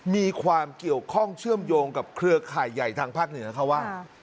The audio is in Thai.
มีความเกี่ยวข้องเชื่อมโยงกับเครือข่ายใหญ่ทางภาคเหนือเขาว่า